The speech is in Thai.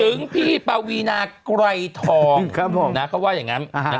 ถึงพี่ป้าเวนากลายทอง